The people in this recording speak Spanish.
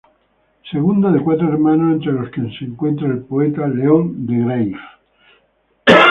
Segundo de cuatro hermanos, entre los que se encontraba el poeta León de Greiff.